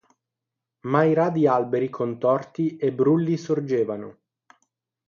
Ma i radi alberi contorti e brulli sorgevano.